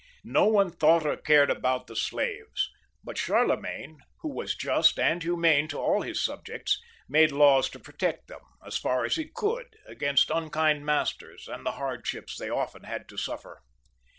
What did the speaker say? No one thought or cared about the slaves ; but Charlemagne, who was just and humane to all his subjects, made laws to protect them as far as he could against un kind masters and the hardships they often had to suffer.